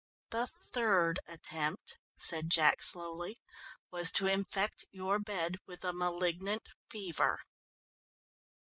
"The third attempt," said Jack slowly, "was to infect your bed with a malignant fever."